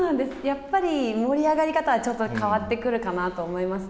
やっぱり盛り上がり方がちょっと変わってくるかなと思いますね。